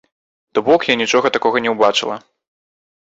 То бок я нічога такога не ўбачыла.